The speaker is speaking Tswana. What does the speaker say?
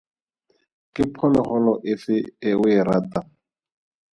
Ke phologolo efe e o e ratang?